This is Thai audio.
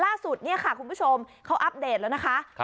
ล่าสุดเนี่ยค่ะคุณผู้ชมเขาอัปเดตแล้วนะคะ